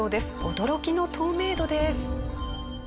驚きの透明度です。